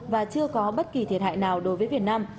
và chưa có bất kỳ thiệt hại nào đối với việt nam